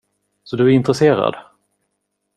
Så du är intresserad?